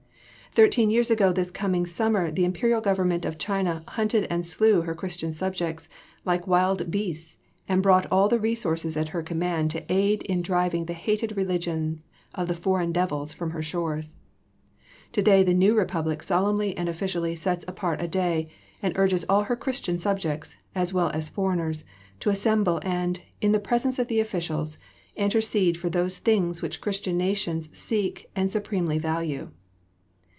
Thirteen years ago this coming summer the Imperial Government of China hunted and slew her Christian subjects like wild beasts and brought all of the resources at her command to aid in driving the hated religions of the "foreign devils" from her shores. Today the new Republic solemnly and officially sets apart a day and urges all her Christian subjects, as well as foreigners, to assemble and, in the presence of the officials, intercede for those things which Christian nations seek and supremely value.